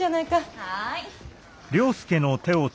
はい。